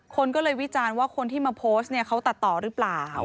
คนก็เลยวิจารณ์ว่าคนที่มาโพสต์เนี่ยเขาตัดต่อหรือเปล่า